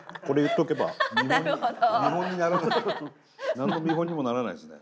何の見本にもならないですね。